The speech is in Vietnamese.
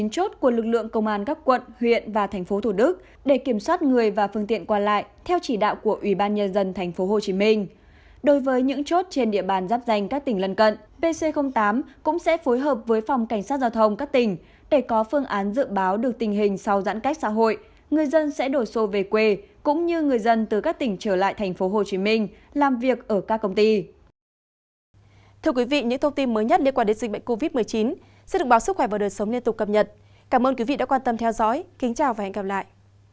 thưa quý vị những thông tin mới nhất liên quan đến dịch bệnh covid một mươi chín sẽ được báo sức khỏe và đời sống liên tục cập nhật cảm ơn quý vị đã quan tâm theo dõi kính chào và hẹn gặp lại